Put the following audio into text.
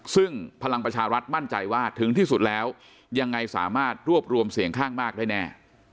ซึ่งพลังประชารัฐมั่นใจว่าถึงที่สุดแล้วยังไงสามารถรวบรวมเสียงข้างมากได้แน่